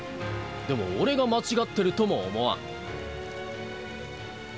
でも俺が間違ってるとも思わん。